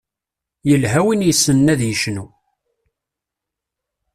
Yelha win yessnen ad yecnu.